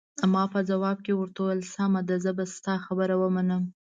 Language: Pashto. ما په ځواب کې ورته وویل: سمه ده، زه به ستا خبره ومنم.